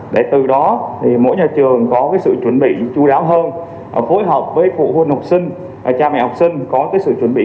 để từ đó mỗi nhà trường có sự chủ đề